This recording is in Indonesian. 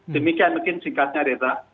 demikian mungkin singkatnya reza